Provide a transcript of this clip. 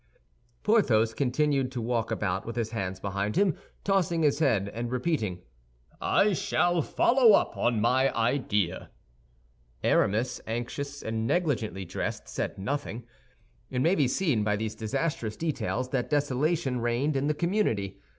Porthos continued to walk about with his hands behind him, tossing his head and repeating, "I shall follow up on my idea." Aramis, anxious and negligently dressed, said nothing. It may be seen by these disastrous details that desolation reigned in the community.